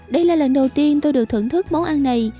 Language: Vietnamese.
đây là lần đầu tiên tôi được thưởng thức món ăn này